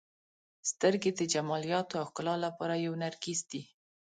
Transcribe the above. • سترګې د جمالیاتو او ښکلا لپاره یو نرګس دی.